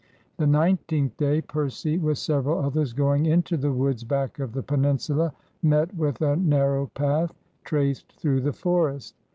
The nineteenth day Percy with several others going into the woods back of the peninsula met with a narrow path traced through the forest.